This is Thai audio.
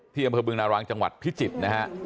อำเภอบึงนารางจังหวัดพิจิตรนะฮะ